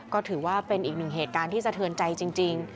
ก็ถือว่าเป็นอีกหนึ่งเหตุการณ์ที่สะเทือนใจจริง